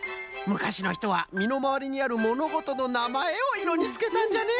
むかしのひとはみのまわりにあるものごとのなまえをいろにつけたんじゃね。